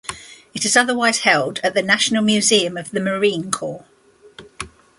It is otherwise held at the National Museum of the Marine Corps.